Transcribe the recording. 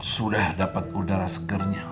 sudah dapet udara segernya